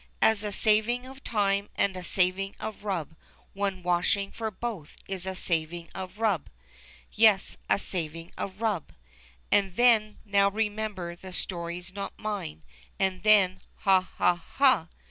As a saving of time and a saving of rub ; One washing for both is a saving of rub. Yes, a saving of rub. And then — now remember the story's not mine — And then — ha, ha, ha